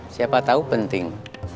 siapa tahu penting